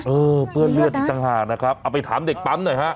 เออเปื้อนเลือดอีกต่างหากนะครับเอาไปถามเด็กปั๊มหน่อยฮะ